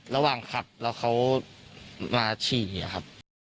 ระหว่างขับแล้วเขามาฉี่ครับ